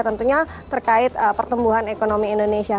tentunya terkait pertumbuhan ekonomi indonesia